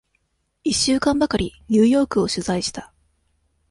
一週間ばかり、ニューヨークを取材した。